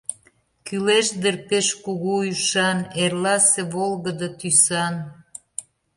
Кӱлеш дыр пеш кугу ӱшан: Эрласе — волгыдо тӱсан.